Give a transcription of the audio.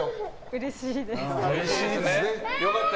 うれしいです。